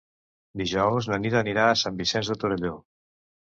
Dijous na Nit anirà a Sant Vicenç de Torelló.